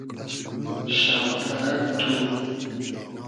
شۆپئرئگ تو